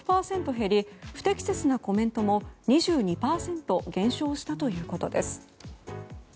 減り不適切なコメントも２２％減少したということです。